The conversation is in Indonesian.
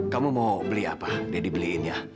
kamu mau beli apa daddy beliin ya